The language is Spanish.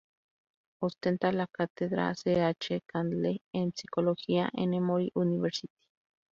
Ostenta la cátedra C. H. Candler en Psicología en Emory University.